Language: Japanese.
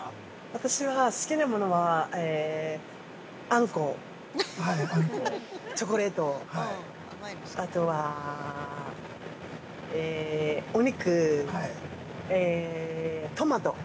◆私は好きなものはあんこ、チョコレートあとはお肉、トマト。